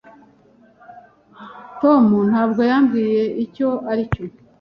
Tom ntabwo yambwiye icyo ari cyo.